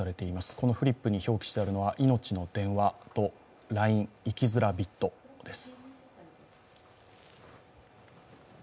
このフリップに表記してあるのは、いのちの電話とＬＩＮＥ「生きづらびっと」です。